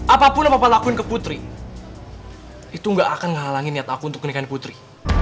apapun apa apa lakuin ke putri itu gak akan nghalangi niat aku untuk nikahin putri